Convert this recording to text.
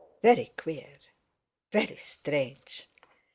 Very queer, very strange!